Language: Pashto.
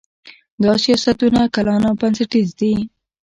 دا سیاستونه کلان او بنسټیز دي.